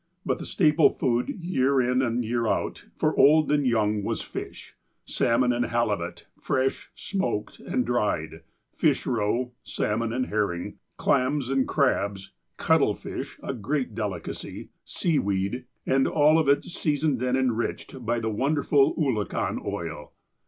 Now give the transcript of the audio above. But the staple food, year in and year out, for old and young, was fish — salmon and halibut, fresh, smoked and dried, fish roe (salmon and herring), clams and crabs, cuttlefish (a great delicacy), seaweed, and all of it seasoned and enriched by the won derful oolakan oil.